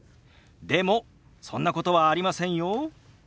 でもそんなことはありませんよ。